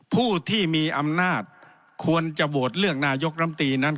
ผู้ที่มีอำนาจควรจะโหวตเลือกนายกรัมตีนั้น